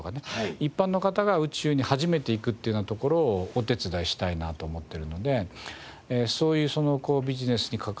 一般の方が宇宙に初めて行くっていうようなところをお手伝いしたいなと思っているのでそういうビジネスに関わる可能性もありますし。